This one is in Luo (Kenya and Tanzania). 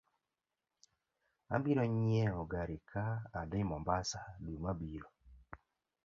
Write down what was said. Abiro nyieo gari ka adhi mombasa dwe ma biro